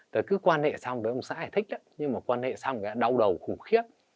tôi cứ quan hệ xong với ông xã thì thích lắm nhưng mà quan hệ xong thì đã đau đầu khủng khiếp